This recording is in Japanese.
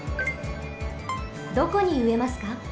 どこにうえますか？